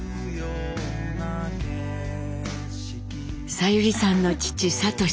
さゆりさんの父智さん。